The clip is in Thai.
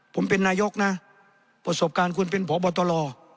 ผมเป็นนายกนะประสบการณ์ควรเป็นพบตร